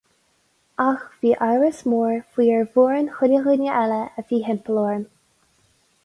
Ach bhí amhras mór faoi ar mhórán chuile dhuine eile a bhí thimpeall orm.